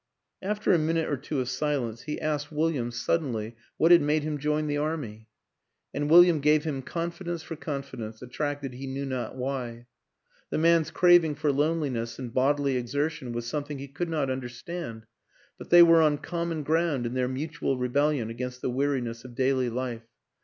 After a minute or two of silence he asked Wil 256 WILLIAM AN ENGLISHMAN liam suddenly what had made him join the Army; and William gave him confidence for confidence, attracted he knew not why. The man's craving for loneliness and bodily exertion was something he could not understand; but they were on com mon ground in their mutual rebellion against the weariness of daily life.